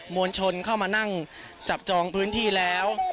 วลชนเข้ามานั่งจับจองพื้นที่แล้ว